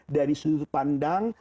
dari sudut pandang